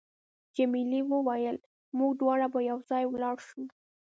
جميلې وويل: موږ دواړه به یو ځای ولاړ شو.